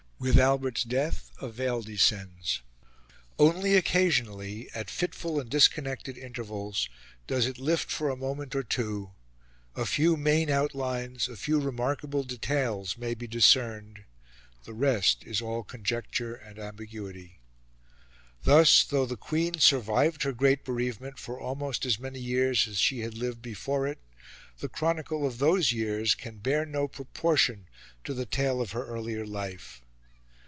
With Albert's death a veil descends. Only occasionally, at fitful and disconnected intervals, does it lift for a moment or two; a few main outlines, a few remarkable details may be discerned; the rest is all conjecture and ambiguity. Thus, though the Queen survived her great bereavement for almost as many years as she had lived before it, the chronicle of those years can bear no proportion to the tale of her earlier life.